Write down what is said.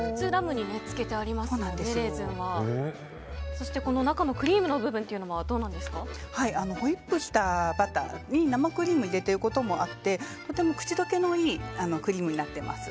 そしてこの中のクリームの部分はホイップしたバターに生クリームを入れていることもあってとても口溶けのいいクリームになっています。